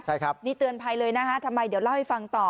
ใช่ครับนี่เตือนภัยเลยนะฮะทำไมเดี๋ยวเล่าให้ฟังต่อ